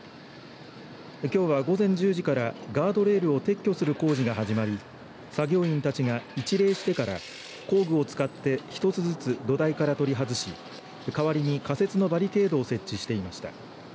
きょうは午前１０時からガードレールを撤去する工事が始まり作業員たちが一礼してから工具を使って一つずつ土台から取り外し代わりに仮設のバリケードを設置していました。